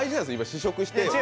試食して。